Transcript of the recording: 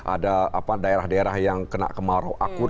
ada daerah daerah yang kena kemarau akut